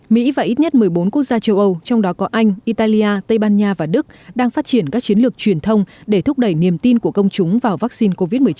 mỹ và ít nhất một mươi bốn quốc gia châu âu trong đó có anh italia tây ban nha và đức đang phát triển các chiến lược truyền thông để thúc đẩy niềm tin của công chúng vào vắc xin